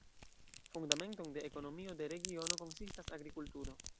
Fundamenton de ekonomio de regiono konsistas agrikulturo.